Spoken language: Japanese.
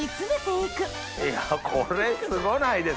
いやこれすごないですか？